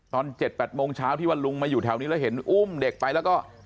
ตอน๗๘โมงเช้าที่ว่าลุงมาอยู่แถวนี้แล้วเห็นอุ้มเด็กไปแล้วก็